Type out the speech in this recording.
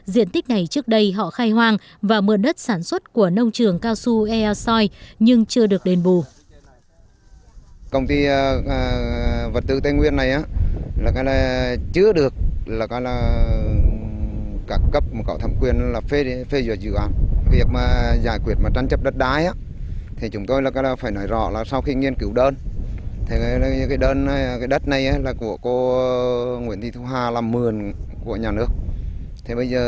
diện tích này trước đây họ khai hoang và mượn đất sản xuất của nông trường cao su ea soy nhưng chưa được đền bù